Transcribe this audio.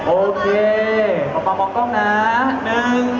โอเคพอมามองกล้องนะ